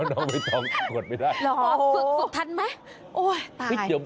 แมวน้องไม่ต้องประกวดไม่ได้สุดทันไหมโอ้ยตาย